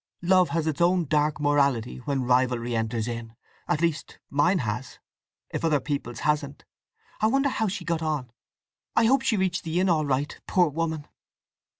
Love has its own dark morality when rivalry enters in—at least, mine has, if other people's hasn't… I wonder how she got on? I hope she reached the inn all right, poor woman."